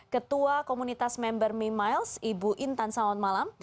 ketua komunitas member memiles ibu intan selamat malam